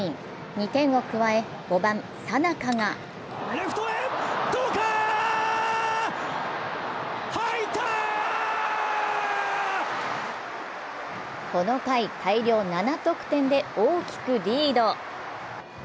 ２点を加え、５番・佐仲がこの回、大量７得点で大きくリード。